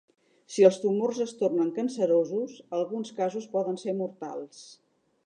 Si els tumors es tornen cancerosos, alguns casos poden ser mortals.